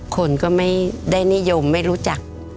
คนก็ไม่ได้นิยมไม่รู้จัก